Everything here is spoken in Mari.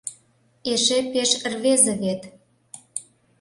Эше пеш рвезе вет.